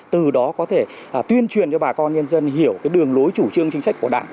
từ đó có thể tuyên truyền cho bà con nhân dân hiểu cái đường lối chủ trương chính sách của đảng